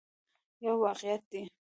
یو واقعیت دی.